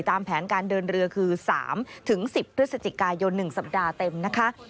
ตามแผนการเดินเรือคือ๓๑๐พฤศจิกายน๑สัปดาห์เต็มนะคะ